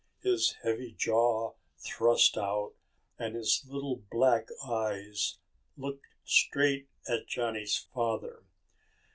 His heavy jaw thrust out and his little black eyes looked straight at Johnny's father.